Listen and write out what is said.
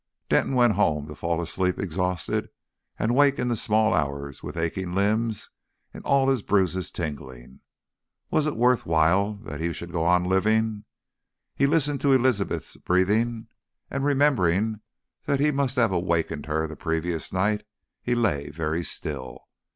Denton went home, to fall asleep exhausted and wake in the small hours with aching limbs and all his bruises tingling. Was it worth while that he should go on living? He listened to Elizabeth's breathing, and remembering that he must have awaked her the previous night, he lay very still.